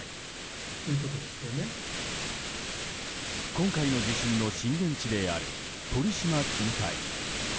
今回の地震の震源地である鳥島近海。